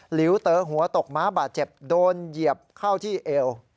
หลิวเต๋อหัวตกม้าบาดเจ็บโดนเหยียบเข้าที่เอว